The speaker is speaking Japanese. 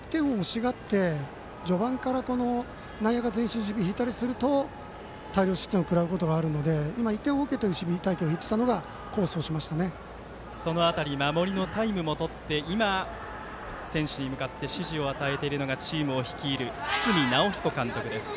１点を欲しがって序盤から内野が前進守備敷いたりすると、大量失点を食らうことがあるので１点ＯＫの守備隊形を敷いていたのがその辺り守りのタイムもとって今、選手に向かって指示を与えているのがチームを率いる堤尚彦監督。